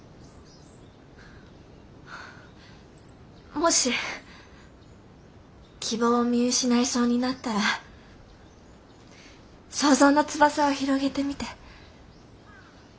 もし希望を見失いそうになったら想像の翼を広げてみて。